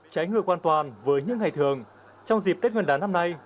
trái ngừa quan toàn với những ngày thường trong dịp tết nguyên đán năm nay